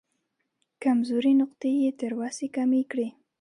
کمزورې نقطې یې تر وسې کمې کړې.